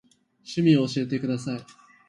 趣味を教えてください。